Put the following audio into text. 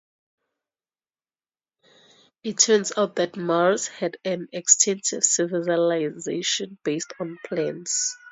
It turns out that Mars had an extensive civilization based on plants.